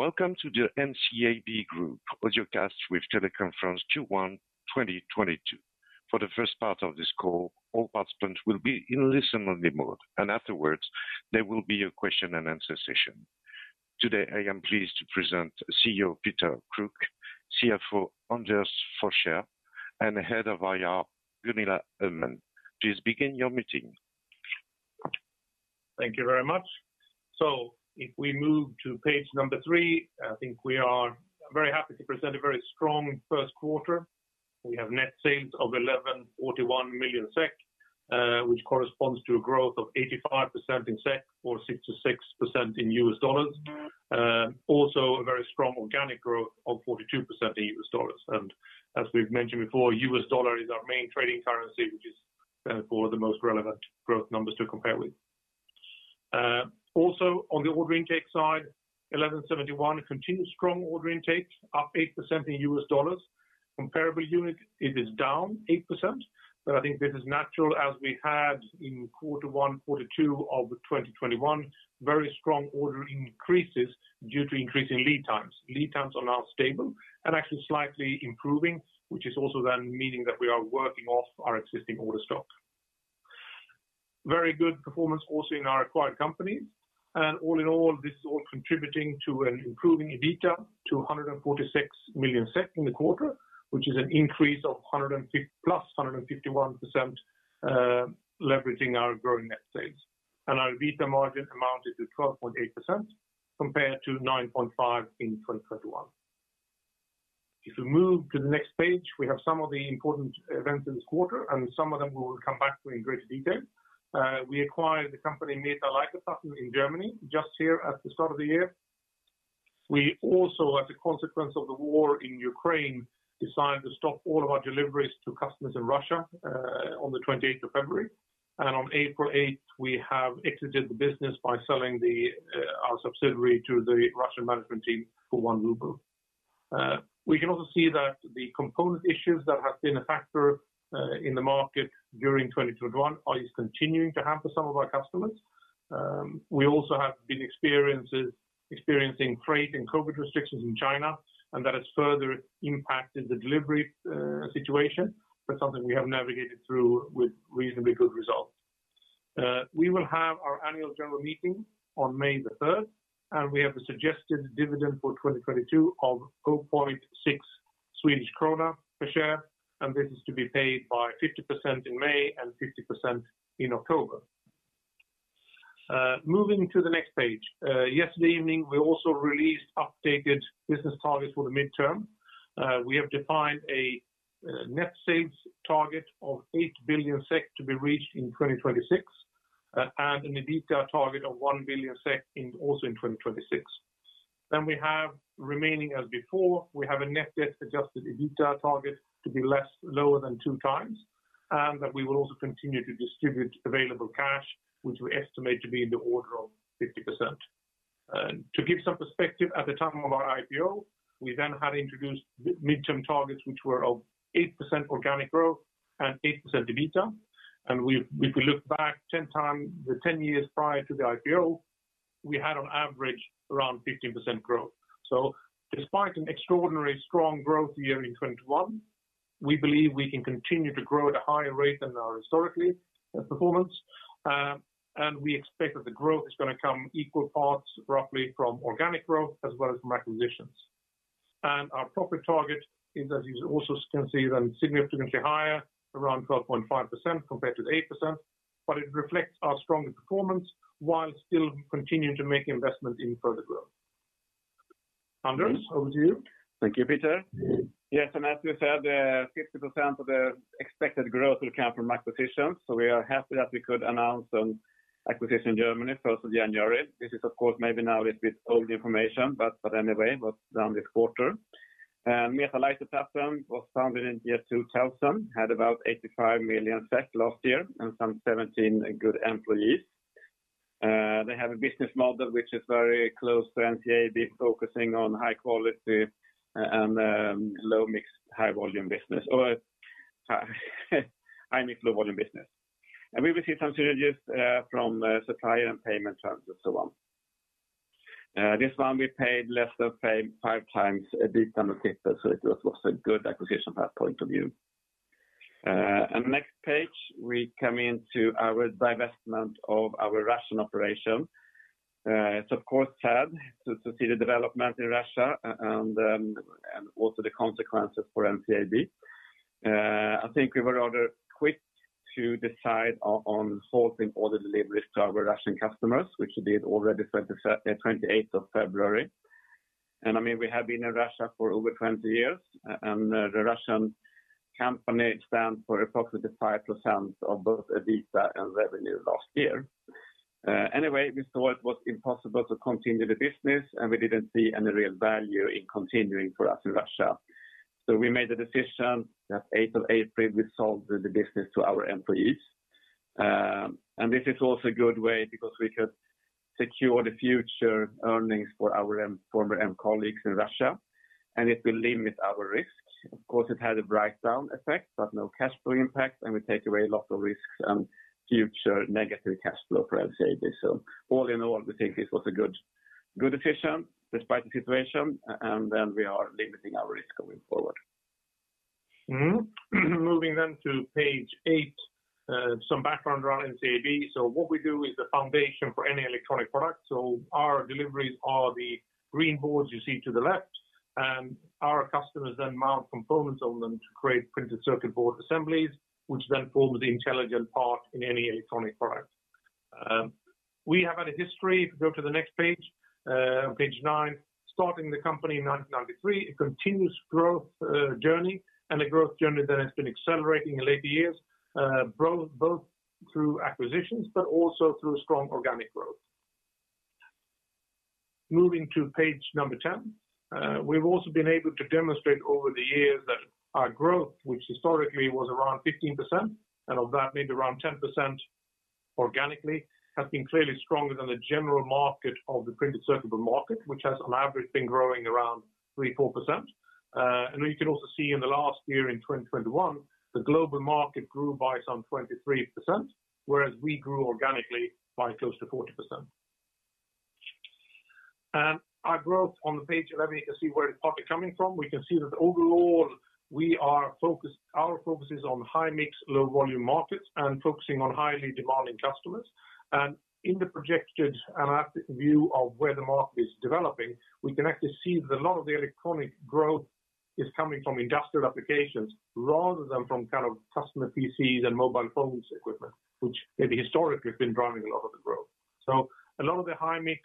Welcome to the NCAB Group audiocast with teleconference Q1 2022. For the first part of this call, all participants will be in listen-only mode, and afterwards, there will be a question and answer session. Today, I am pleased to present CEO Peter Kruk, CFO Anders Forsén, and Head of IR Gunilla Öhman. Please begin your meeting. Thank you very much. If we move to page number 3, I think we are very happy to present a very strong first quarter. We have net sales of 1,141 million SEK, which corresponds to a growth of 85% in SEK or 66% in US dollars. Also a very strong organic growth of 42% in U.S. dollars. As we've mentioned before, U.S. dollar is our main trading currency, which is for the most relevant growth numbers to compare with. Also on the order intake side, 1,171 continued strong order intake, up 8% in U.S. dollars. Comparable unit, it is down 8%, but I think this is natural as we had in quarter 1, quarter 2 of 2021, very strong order increases due to increase in lead times. Lead times are now stable and actually slightly improving, which is also then meaning that we are working off our existing order stock. Very good performance also in our acquired companies. All in all, this is all contributing to an improving EBITDA to 146 million SEK in the quarter, which is an increase of +151%, leveraging our growing net sales. Our EBITDA margin amounted to 12.8% compared to 9.5% in 2021. If you move to the next page, we have some of the important events in this quarter, and some of them we will come back to in greater detail. We acquired the company META Leiterplatten in Germany just here at the start of the year. We also, as a consequence of the war in Ukraine, decided to stop all of our deliveries to customers in Russia on the 28th of February. On April 8, we have exited the business by selling our subsidiary to the Russian management team for one ruble. We can also see that the component issues that have been a factor in the market during 2021 are continuing to happen to some of our customers. We also have been experiencing freight and COVID restrictions in China, and that has further impacted the delivery situation, but something we have navigated through with reasonably good results. We will have our annual general meeting on May 3, and we have a suggested dividend for 2022 of 0.6 Swedish krona per share, and this is to be paid by 50% in May and 50% in October. Moving to the next page. Yesterday evening, we also released updated business targets for the midterm. We have defined net sales target of 8 billion SEK to be reached in 2026, and an EBITDA target of 1 billion SEK also in 2026. We have remaining as before, we have a net debt Adjusted EBITDA target to be lower than 2x, and that we will also continue to distribute available cash, which we estimate to be in the order of 50%. To give some perspective at the time of our IPO, we then had introduced midterm targets, which were of 8% organic growth and 8% EBITDA. If we look back ten years prior to the IPO, we had on average around 15% growth. Despite an extraordinarily strong growth year in 2021, we believe we can continue to grow at a higher rate than our historical performance. We expect that the growth is going to come equal parts roughly from organic growth as well as from acquisitions. Our profit target is, as you also can see, then significantly higher, around 12.5% compared to the 8%, but it reflects our stronger performance while still continuing to make investment in further growth. Anders, over to you. Thank you, Peter. Yes, as we said, 50% of the expected growth will come from acquisitions. We are happy that we could announce some acquisition in Germany, first of January. This is of course, maybe now a little bit old information, but anyway, it was done this quarter. META Leiterplatten was founded in 2000, had about 85 million SEK last year, and some 17 good employees. They have a business model which is very close to NCAB, focusing on high quality and low mix, high volume business or high-mix, low-volume business. We will see some synergies from supplier and payment terms and so on. This one we paid less than 5x EBITDA multiple, so it was a good acquisition from that point of view. The next page, we come into our divestment of our Russian operation. It's of course sad to see the development in Russia and also the consequences for NCAB. I think we were rather quick to decide on halting all the deliveries to our Russian customers, which we did already 28th of February. I mean, we have been in Russia for over 20 years, and the Russian company stands for approximately 5% of both EBITDA and revenue last year. Anyway, we thought it was impossible to continue the business, and we didn't see any real value in continuing for us in Russia. We made the decision that 8th of April, we sold the business to our employees. This is also a good way because we could secure the future earnings for our former colleagues in Russia. It will limit our risks. Of course, it had a write-down effect, but no cash flow impact, and we take away lots of risks and future negative cash flow for NCAB. All in all, we think this was a good decision despite the situation, and then we are limiting our risk going forward. Moving to page 8, some background around NCAB. What we do is the foundation for any electronic product. Our deliveries are the green boards you see to the left, and our customers then mount components on them to create printed circuit board assemblies, which then form the intelligent part in any electronic product. We have had a history, if you go to the next page 9, starting the company in 1993, a continuous growth journey, and a growth journey that has been accelerating in later years, both through acquisitions but also through strong organic growth. Moving to page number ten, we've also been able to demonstrate over the years that our growth, which historically was around 15%, and of that maybe around 10% organically, has been clearly stronger than the general market of the printed circuit board market, which has on average been growing around 3%-4%. You can also see in the last year in 2021, the global market grew by some 23%, whereas we grew organically by close to 40%. Our growth on the page, I mean, you can see where it's partly coming from. We can see that overall, we are focused, our focus is on high-mix, low-volume markets and focusing on highly demanding customers. In the projected analytic view of where the market is developing, we can actually see that a lot of the electronic growth is coming from industrial applications rather than from kind of customer PCs and mobile phones equipment, which maybe historically have been driving a lot of the growth. A lot of the high-mix,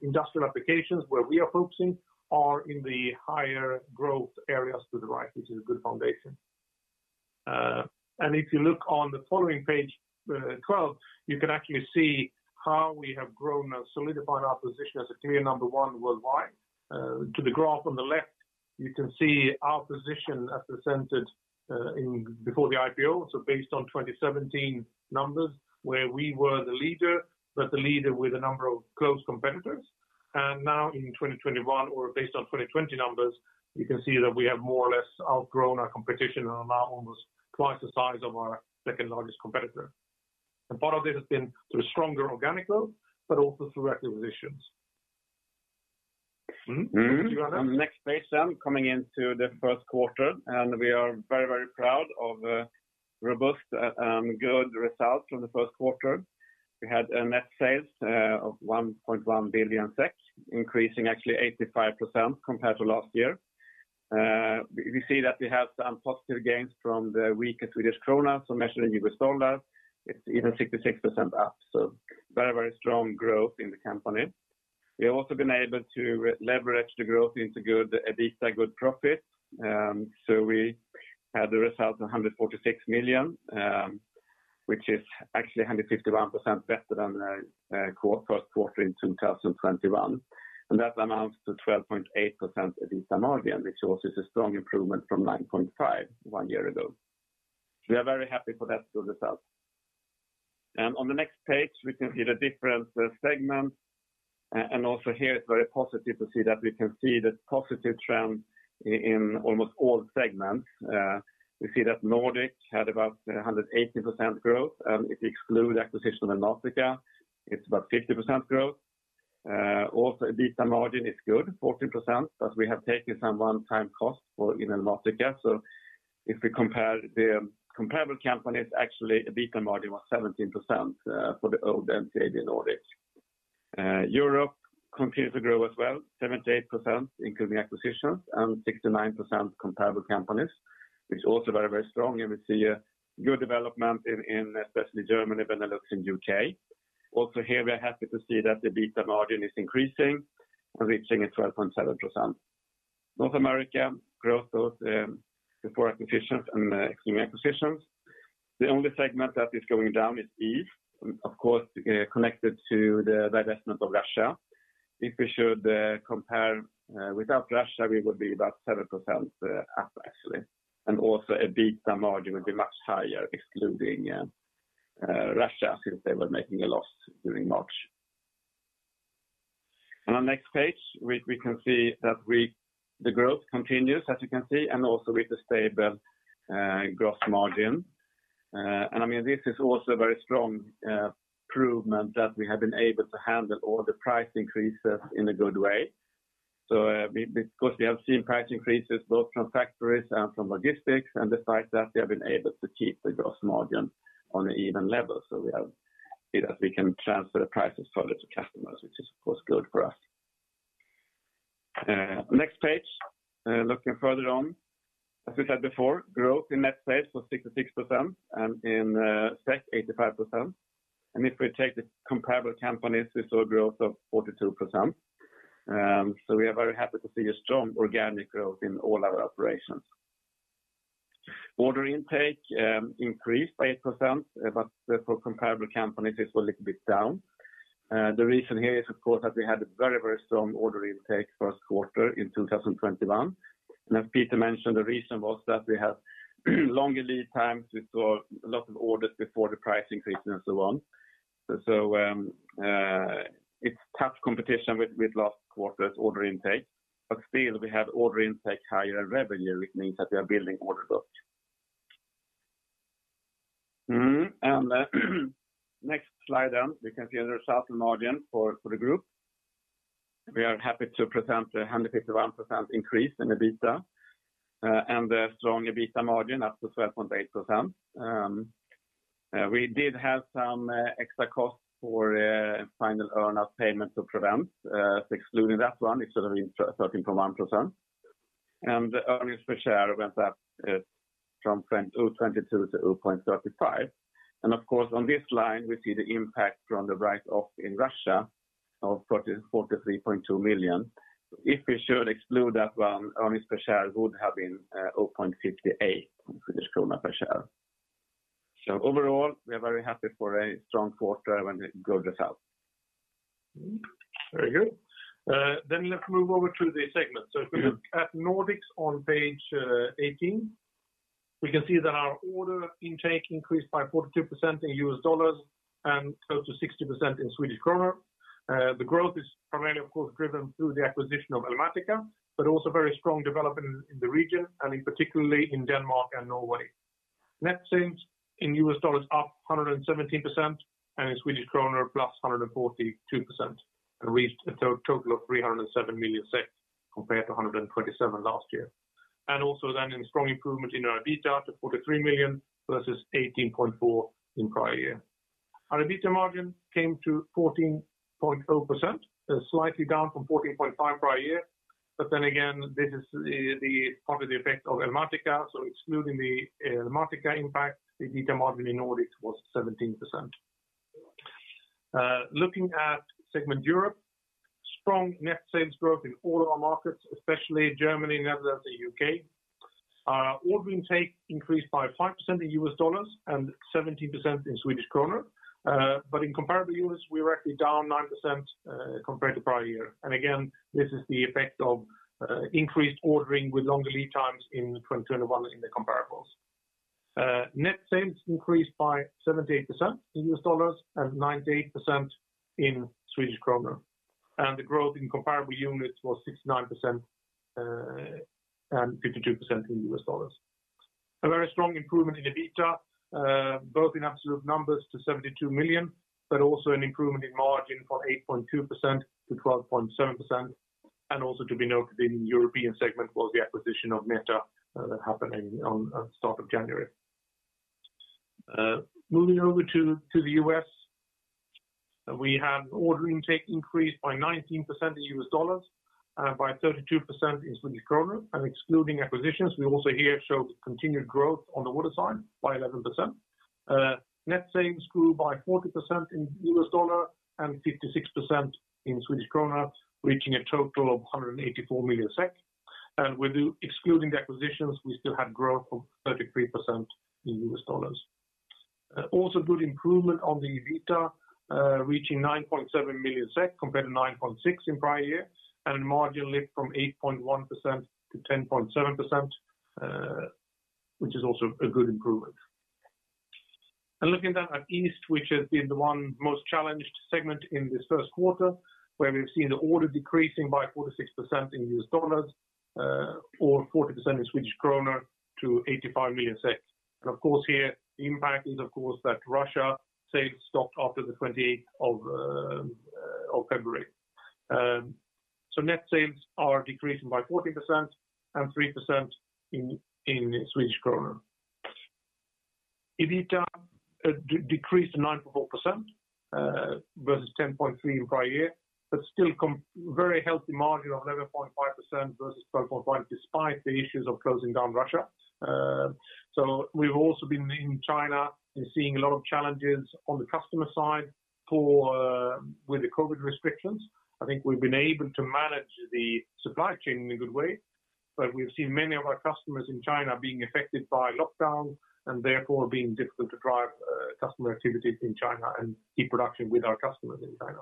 industrial applications where we are focusing are in the higher growth areas to the right, which is a good foundation. If you look on the following page, 12, you can actually see how we have grown and solidified our position as a clear number one worldwide. To the graph on the left, you can see our position as presented before the IPO. Based on 2017 numbers, where we were the leader, but the leader with a number of close competitors. Now in 2021 or based on 2020 numbers, you can see that we have more or less outgrown our competition and are now almost twice the size of our second-largest competitor. A part of this has been through stronger organic growth, but also through acquisitions. Mm-hmm. Mm-hmm. Over to you, Anders. On the next page, coming into the first quarter, we are very, very proud of robust good results from the first quarter. We had net sales of 1.1 billion SEK, increasing actually 85% compared to last year. We see that we have some positive gains from the weaker Swedish krona. Measuring U.S. dollar, it's even 66% up. Very, very strong growth in the company. We have also been able to leverage the growth into good EBITDA good profit. We had the result of 146 million, which is actually 151% better than first quarter in 2021. That amounts to 12.8% EBITDA margin, which also is a strong improvement from 9.5 one year ago. We are very happy for that good result. On the next page, we can see the different segments. Also here, it's very positive to see that we can see the positive trend in almost all segments. We see that Nordic had about 180% growth. If we exclude acquisition of Elmatica, it's about 50% growth. Also EBITDA margin is good, 14%, but we have taken some one-time cost in Elmatica. If we compare the comparable companies, actually EBITDA margin was 17% for the old NCAB Nordic. Europe continues to grow as well, 78% including acquisitions and 69% comparable companies, which is also very, very strong. We see a good development in especially Germany, Benelux, and U.K. Also here, we are happy to see that the EBITDA margin is increasing and reaching at 12.7%. North America growth of before acquisitions and including acquisitions. The only segment that is going down is East, of course, connected to the divestment of Russia. If we should compare without Russia, we would be about 7% up actually. EBITDA margin would be much higher excluding Russia, since they were making a loss during March. On the next page, we can see that the growth continues as you can see, and also with the stable gross margin. I mean, this is also a very strong improvement that we have been able to handle all the price increases in a good way. Because we have seen price increases both from factories and from logistics, and the fact that we have been able to keep the gross margin on an even level. We have either we can transfer the prices further to customers, which is of course good for us. Next page, looking further on. As we said before, growth in net sales was 66% and in SEK 85%. If we take the comparable companies, we saw a growth of 42%. We are very happy to see a strong organic growth in all our operations. Order intake increased by 8%, but for comparable companies, it's a little bit down. The reason here is of course that we had a very strong order intake first quarter in 2021. As Peter mentioned, the reason was that we had longer lead times. We saw a lot of orders before the price increase and so on. It's tough competition with last quarter's order intake. Still, we have order intake, higher revenue, which means that we are building order book. Next slide down, we can see the results and margin for the group. We are happy to present a 151% increase in EBITDA and a strong EBITDA margin at 12.8%. We did have some extra costs for final earnout payment, excluding that one, it should have been 13.1%. The earnings per share went up from 0.22 to 0.35. Of course, on this line we see the impact from the write-off in Russia of 43.2 million. If we should exclude that one, earnings per share would have been 0.58 Swedish krona per share. Overall, we are very happy for a strong quarter and a good result. Very good. Let's move over to the segment. If we look at Nordics on page 18, we can see that our order intake increased by 42% in U.S. dollars and close to 60% in Swedish krona. The growth is primarily of course driven through the acquisition of Elmatica, but also very strong development in the region and particularly in Denmark and Norway. Net sales in U.S. dollars up 117% and in Swedish krona +142%, and reached a total of 307 million compared to 127 million last year. A strong improvement in our EBITDA to 43 million versus 18.4 million in prior year. Our EBITDA margin came to 14.0%, slightly down from 14.5% prior year. Again, this is the part of the effect of Elmatica. Excluding the Elmatica impact, the EBITDA margin in Nordics was 17%. Looking at segment Europe, strong net sales growth in all our markets, especially Germany, Netherlands, and U.K. Order intake increased by 5% in U.S. dollars and 17% in Swedish krona. In comparable units, we were actually down 9%, compared to prior year. Again, this is the effect of increased ordering with longer lead times in 2021 in the comparables. Net sales increased by 78% in U.S. dollars and 98% in Swedish krona. The growth in comparable units was 69% and 52% in U.S. dollars. A very strong improvement in EBITDA both in absolute numbers to 72 million, but also an improvement in margin from 8.2% to 12.7%. Also to be noted in European segment was the acquisition of META that happened at the start of January. Moving over to the U.S., we had order intake increase by 19% in US dollars, by 32% in Swedish krona. Excluding acquisitions, we also here show continued growth on the order side by 11%. Net sales grew by 40% in US dollars and 56% in Swedish krona, reaching a total of 184 million SEK. Excluding the acquisitions, we still had growth of 33% in U.S. dollars. also good improvement on the EBITDA, reaching 9.7 million SEK compared to 9.6 in prior year, and margin lift from 8.1% to 10.7%, which is also a good improvement. Looking then at East, which has been the one most challenged segment in this first quarter, where we've seen the order decreasing by 46% in U.S. dollars, or 40% in Swedish krona to 85 million. Of course here the impact is of course that Russia sales stopped after the twenty-eighth of February. Net sales are decreasing by 14% and 3% in Swedish krona. EBITDA decreased to 9.4%, versus 10.3% in prior year, but still very healthy margin of 11.5% versus 12.5% despite the issues of closing down Russia. We've also been in China and seeing a lot of challenges on the customer side with the COVID restrictions. I think we've been able to manage the supply chain in a good way, but we've seen many of our customers in China being affected by lockdowns and therefore being difficult to drive customer activities in China and keep production with our customers in China,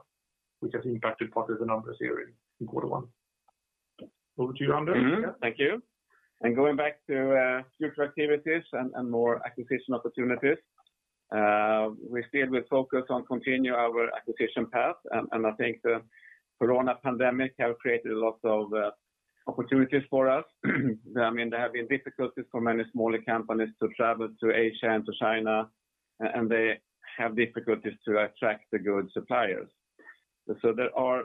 which has impacted part of the numbers here in quarter one. Over to you, Anders. Mm-hmm. Thank you. Going back to future activities and more acquisition opportunities, we still will focus on continue our acquisition path. I think the corona pandemic have created a lot of opportunities for us. I mean, there have been difficulties for many smaller companies to travel to Asia and to China, and they have difficulties to attract the good suppliers. There are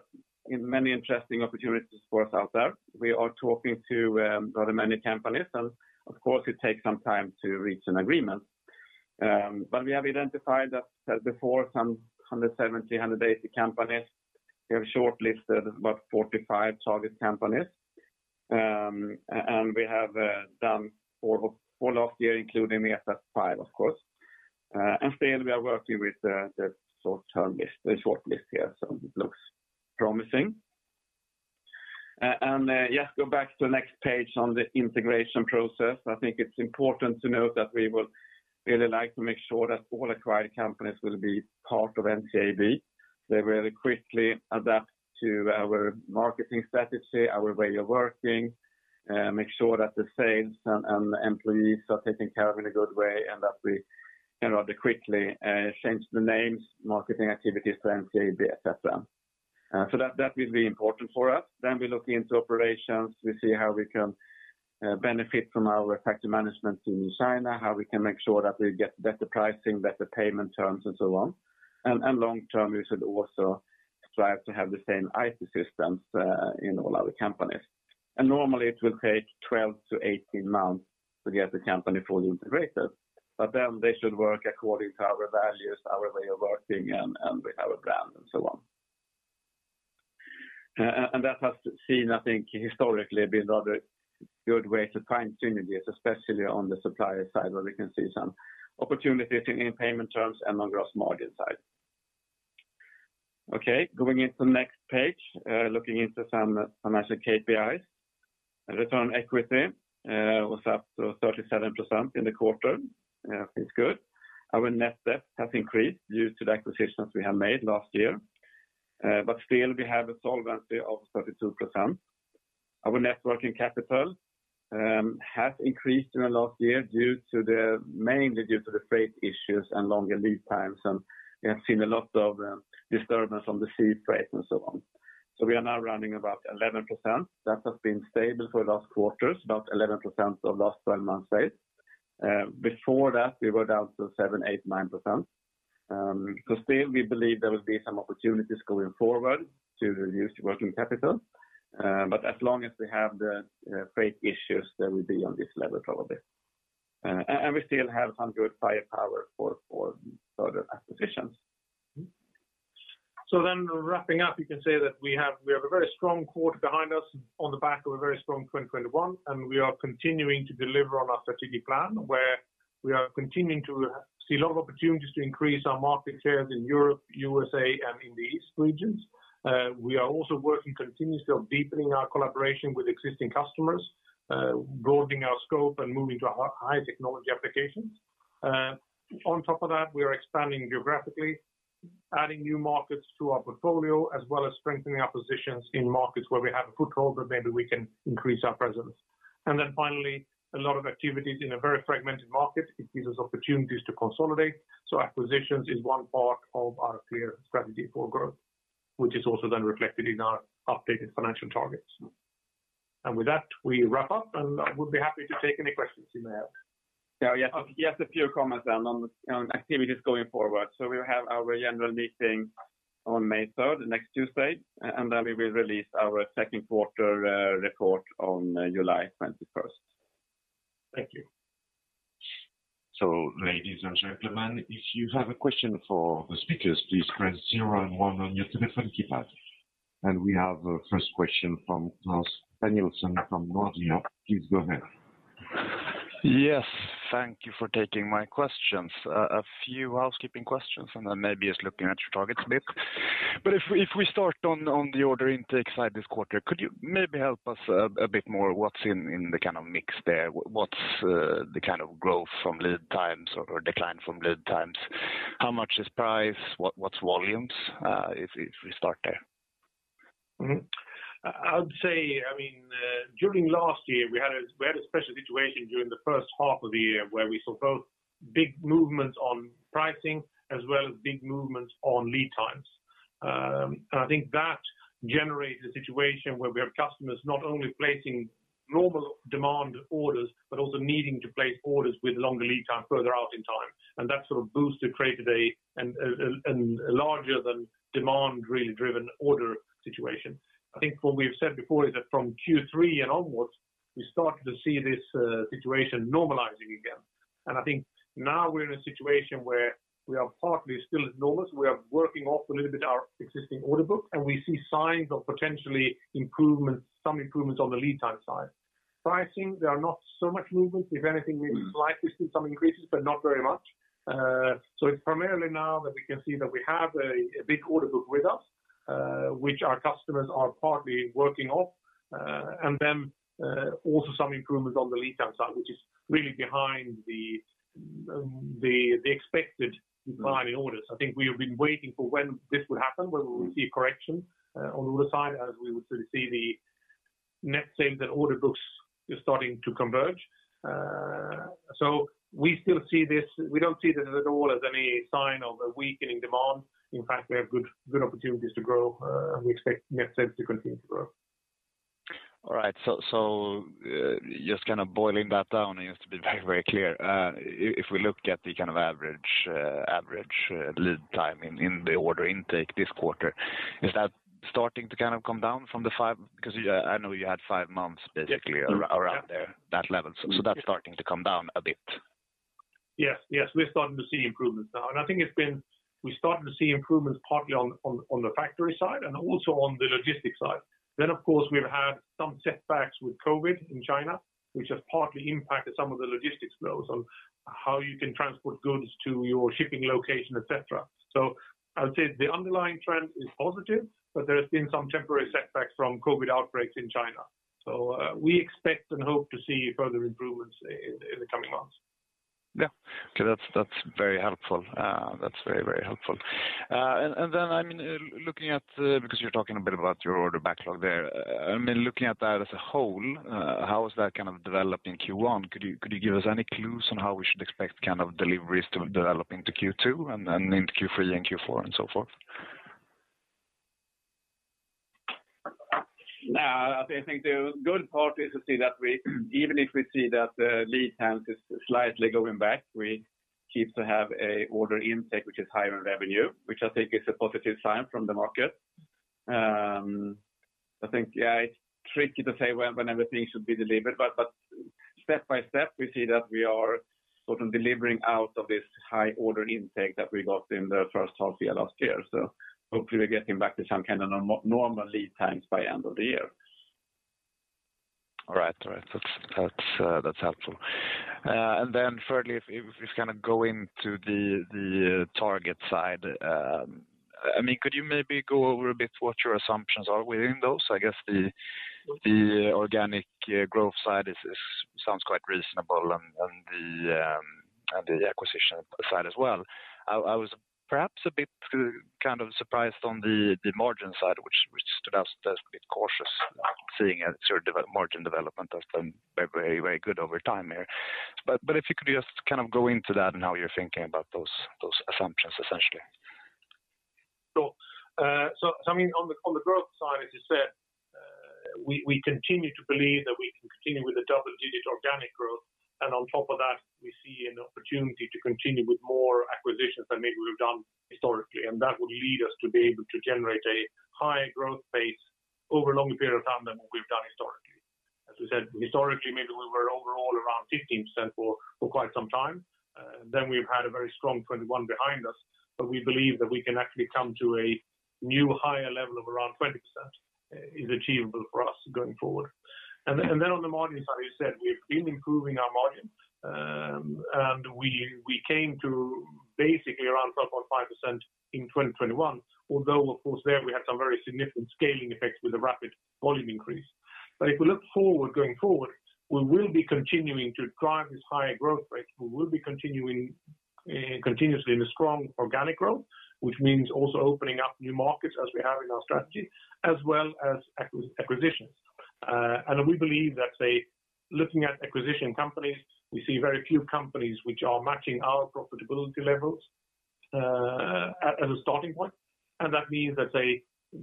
many interesting opportunities for us out there. We are talking to rather many companies and of course it takes some time to reach an agreement. We have identified that before some 170-180 companies, we have shortlisted about 45 target companies. We have done for last year, including the of course. Still we are working with the short list here, so it looks promising. Yes, go back to the next page on the integration process. I think it's important to note that we would really like to make sure that all acquired companies will be part of NCAB. They very quickly adapt to our marketing strategy, our way of working, make sure that the sales and the employees are taken care of in a good way, and that we can rather quickly change the names, marketing activities for NCAB, et cetera. That will be important for us. We look into operations. We see how we can benefit from our factory management in China, how we can make sure that we get better pricing, better payment terms, and so on. Long term, we should also strive to have the same IT systems in all our companies. Normally, it will take 12-18 months to get the company fully integrated. Then they should work according to our values, our way of working, and with our brand, and so on. That has, I think, historically been a rather good way to find synergies, especially on the supplier side, where we can see some opportunities in payment terms and on gross margin side. Okay, going into next page, looking into some financial KPIs. Return on equity was up to 37% in the quarter. It's good. Our net debt has increased due to the acquisitions we have made last year. But still, we have a solvency of 32%. Our net working capital has increased in the last year mainly due to the freight issues and longer lead times. We have seen a lot of disturbance on the sea freight and so on. We are now running about 11%. That has been stable for the last quarters, about 11% of last twelve months sales. Before that, we were down to 7%, 8%, 9%. We believe there will be some opportunities going forward to reduce working capital. But as long as we have the freight issues, that will be on this level, probably. We still have some good firepower for further acquisitions. Wrapping up, you can say that we have a very strong quarter behind us on the back of a very strong 2021, and we are continuing to deliver on our strategic plan, where we are continuing to see a lot of opportunities to increase our market shares in Europe, U.S.A., and in the East regions. We are also working continuously on deepening our collaboration with existing customers, broadening our scope and moving to high technology applications. On top of that, we are expanding geographically, adding new markets to our portfolio, as well as strengthening our positions in markets where we have a foothold, but maybe we can increase our presence. Finally, a lot of activities in a very fragmented market, it gives us opportunities to consolidate. Acquisitions is one part of our clear strategy for growth, which is also then reflected in our updated financial targets. With that, we wrap up, and we'll be happy to take any questions you may have. Yeah. Just a few comments then on activities going forward. We'll have our general meeting on May 3rd, next Tuesday, and then we will release our second quarter report on July 21st. Thank you. Ladies and gentlemen, if you have a question for the speakers, please press zero and one on your telephone keypad. We have the first question from Klas Danielsson from Nordea. Please go ahead. Yes. Thank you for taking my questions. A few housekeeping questions, and then maybe just looking at your targets a bit. If we start on the order intake side this quarter, could you maybe help us a bit more what's in the kind of mix there? What's the kind of growth from lead times or decline from lead times? How much is price? What's volumes? If we start there. I would say, I mean, during last year, we had a special situation during the first half of the year where we saw both big movements on pricing as well as big movements on lead times. I think that generated a situation where we have customers not only placing normal demand orders, but also needing to place orders with longer lead time further out in time. That sort of boosted, created a larger than demand really driven order situation. I think what we've said before is that from Q3 and onwards, we started to see this situation normalizing again. I think now we're in a situation where we are partly still enormous. We are working off a little bit our existing order book, and we see signs of potential improvements, some improvements on the lead time side. Pricing, there are not so much movement. If anything, we've slightly seen some increases, but not very much. It's primarily now that we can see that we have a big order book with us, which our customers are partly working off. Also, some improvements on the lead time side, which is really behind the expected decline in orders. I think we have been waiting for when this would happen, where we will see a correction on the order side as we would sort of see the net sales and order books is starting to converge. We still see this. We don't see this at all as any sign of a weakening demand. In fact, we have good opportunities to grow, and we expect net sales to continue to grow. All right. Just kind of boiling that down, just to be very clear. If we look at the kind of average lead time in the order intake this quarter, is that starting to kind of come down from the five? Because I know you had five months basically around there, that level. That's starting to come down a bit. Yes. Yes. We're starting to see improvements now. We're starting to see improvements partly on the factory side and also on the logistics side. Of course, we've had some setbacks with COVID in China, which has partly impacted some of the logistics flows on how you can transport goods to your shipping location, et cetera. I would say the underlying trend is positive, but there has been some temporary setbacks from COVID outbreaks in China. We expect and hope to see further improvements in the coming months. Okay, that's very helpful. That's very helpful. Because you're talking a bit about your order backlog there. I mean, looking at that as a whole, how is that kind of developing in Q1? Could you give us any clues on how we should expect kind of deliveries developing into Q2 and then into Q3 and Q4 and so forth? Now, I think the good part is to see that we even if we see that the lead times is slightly going back, we keep to have an order intake which is higher in revenue, which I think is a positive sign from the market. I think it's tricky to say when everything should be delivered. But step by step, we see that we are sort of delivering out of this high order intake that we got in the first half year last year. Hopefully we're getting back to some kind of normal lead times by end of the year. All right. That's helpful. Thirdly, if we kind of go into the target side, I mean, could you maybe go over a bit what your assumptions are within those? I guess the organic growth side sounds quite reasonable and the acquisition side as well. I was perhaps a bit kind of surprised on the margin side, which stood out as a bit cautious seeing as your margin development has been very good over time here. If you could just kind of go into that and how you're thinking about those assumptions, essentially. Sure. I mean, on the growth side, as you said, we continue to believe that we can continue with the double digit organic growth. On top of that, we see an opportunity to continue with more acquisitions than maybe we've done historically. That would lead us to be able to generate a high growth pace over a longer period of time than we've done historically. Historically, maybe we were overall around 15% for quite some time. Then we've had a very strong 2021 behind us, but we believe that we can actually come to a new higher level of around 20%, is achievable for us going forward. Then on the margin side, you said we've been improving our margin. We came to basically around 12.5% in 2021, although of course there we had some very significant scaling effects with a rapid volume increase. If we look forward going forward, we will be continuing to drive this higher growth rate. We will be continuing continuously in a strong organic growth, which means also opening up new markets as we have in our strategy as well as acquisitions. We believe that say, looking at acquisition companies, we see very few companies which are matching our profitability levels, at as a starting point. That means that say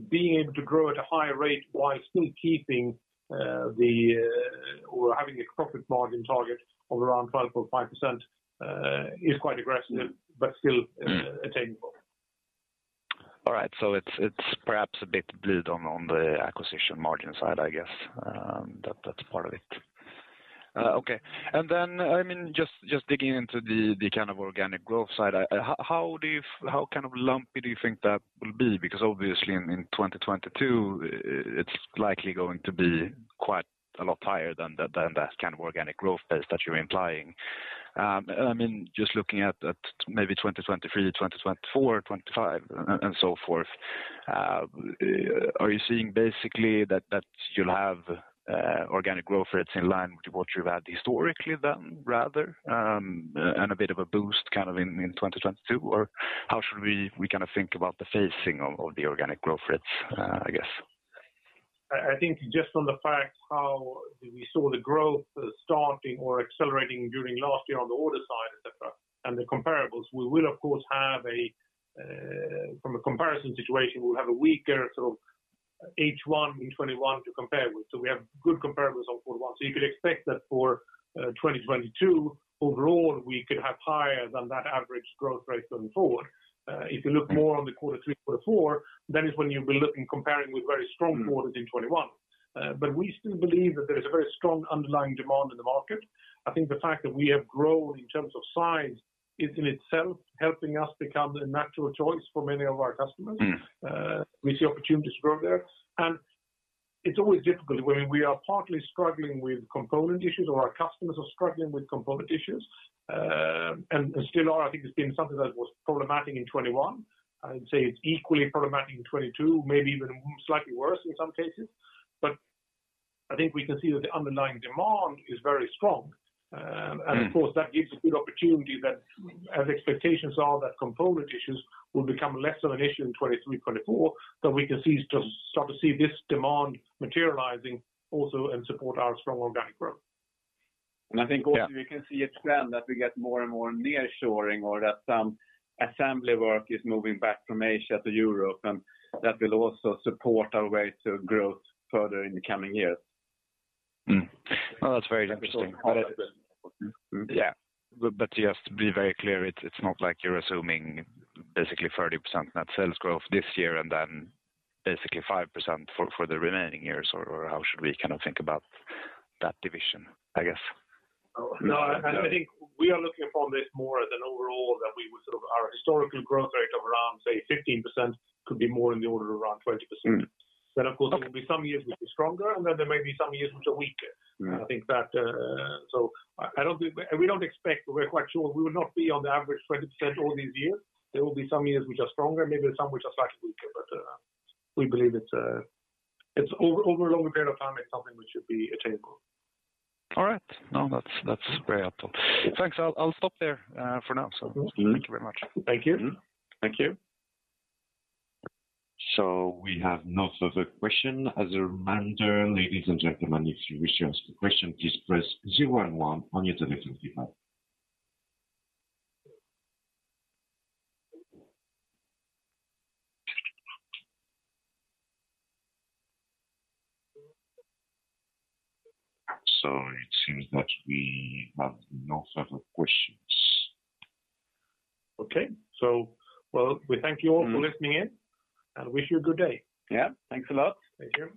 being able to grow at a higher rate while still keeping or having a profit margin target of around 12.5%, is quite aggressive but still attainable. All right. It's perhaps a bit blurred on the acquisition margin side, I guess. That's part of it. Okay. I mean, just digging into the kind of organic growth side, how kind of lumpy do you think that will be? Because obviously in 2022, it's likely going to be quite a lot higher than that kind of organic growth pace that you're implying. I mean, just looking at maybe 2023, 2024, 2025 and so forth, are you seeing basically that you'll have organic growth rates in line with what you've had historically then rather, and a bit of a boost kind of in 2022? How should we kind of think about the phasing of the organic growth rates, I guess? I think just on the fact how we saw the growth starting or accelerating during last year on the order side, et cetera, and the comparables, we will of course have a from a comparison situation, we'll have a weaker sort of H1 in 2021 to compare with. We have good comparables on quarter one. You could expect that for 2022 overall, we could have higher than that average growth rate going forward. If you look more on quarter three, quarter four, that is when you'll be looking, comparing with very strong quarters in 2021. We still believe that there is a very strong underlying demand in the market. I think the fact that we have grown in terms of size is in itself helping us become the natural choice for many of our customers. Mm. We see opportunities to grow there. It's always difficult when we are partly struggling with component issues or our customers are struggling with component issues, and still are. I think it's been something that was problematic in 2021. I'd say it's equally problematic in 2022, maybe even slightly worse in some cases. I think we can see that the underlying demand is very strong, and of course that gives a good opportunity that as expectations are that component issues will become less of an issue in 2023, 2024, that we can see, start to see this demand materializing also and support our strong organic growth. I think also we can see a trend that we get more and more nearshoring or that some assembly work is moving back from Asia to Europe, and that will also support our way to growth further in the coming years. Oh, that's very interesting. Yeah. Just to be very clear, it's not like you're assuming basically 30% net sales growth this year and then basically 5% for the remaining years, or how should we kind of think about that division, I guess? No, I think we are looking upon this more as an overall that we would sort of our historical growth rate of around, say 15% could be more in the order of around 20%. Mm. Of course, there will be some years which are stronger, and then there may be some years which are weaker. Mm. We don't expect. We're quite sure we will not be on the average 20% all these years. There will be some years which are stronger, maybe some which are slightly weaker. We believe it's over a longer period of time. It's something which should be attainable. All right. No, that's very helpful. Thanks. I'll stop there for now. Thank you very much. Thank you. Thank you. We have no further question. As a reminder, ladies and gentlemen, if you wish to ask a question, please press zero and one on your telephone keypad. It seems that we have no further questions. Okay. Well, we thank you all for listening in and wish you a good day. Yeah. Thanks a lot. Thank you.